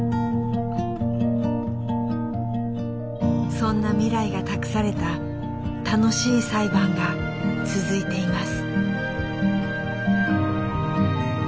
そんな未来が託された“楽しい”裁判が続いています。